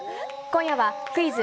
今夜は、クイズ！